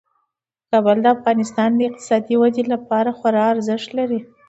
کابل د افغانستان د اقتصادي ودې لپاره خورا ارزښت لري.